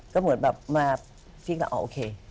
ก็เหมือนมาฟิกแล้วโอเค